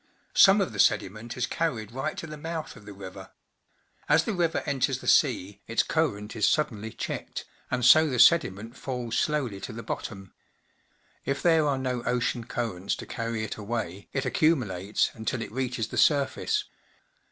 Some of the sediment is carried right to the mouth of the river. As the river enters the sea, its current is suddenly checked, and so the sediment falls slowly to the bot tom. If there are no ocean currents to carry it away, it accumulates until it reaches the surface.